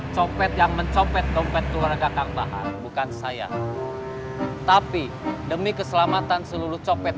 copet yang mencopet dompet keluarga kang bahar bukan saya tapi demi keselamatan seluruh copet